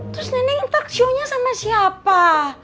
terus nenek entak shownya sama siapa